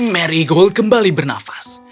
marigold kembali bernafas